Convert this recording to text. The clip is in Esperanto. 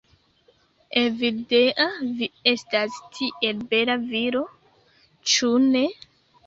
"Evildea, vi estas tiel bela viro, ĉu ne?